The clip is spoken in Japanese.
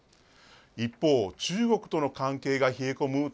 一方、中国との関係が冷え込む